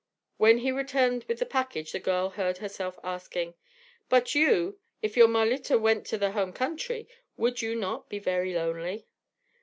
When he returned with the package the girl heard herself asking: "But you, if your Marlitta went to the home country, would you not be very lonely?"